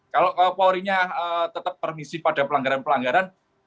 kalau polri nya tetap permisi pada pelanggaran pelanggaran